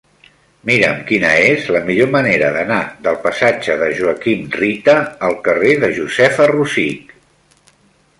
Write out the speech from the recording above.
Mira'm quina és la millor manera d'anar del passatge de Joaquim Rita al carrer de Josefa Rosich.